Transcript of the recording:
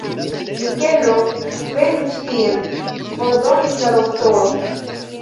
Mikelo, venu ĉi tien! ordonis la doktoro.